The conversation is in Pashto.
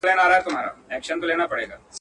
تور تم ته مي له سپیني ورځي بولي غلی غلی.